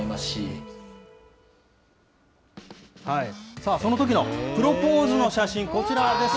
さあ、そのときのプロポーズの写真、こちらです。